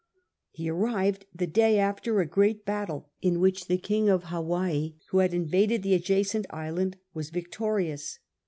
He arrived the day after a great battle, in which the King of Hawaii, who had invaded the ad jacent island, was victorious.